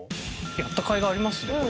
やったかいがありますね。